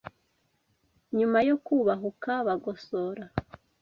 Nyuma yo kubahuka Bagosora,